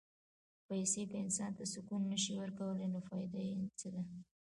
پېسې که انسان ته سکون نه شي ورکولی، نو فایده یې څه ده؟